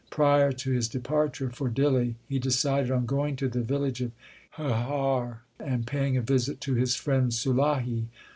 Prior to his departure for Dihli, he decided on going to the village of Hehar and paying a visit to his friend Sulahi.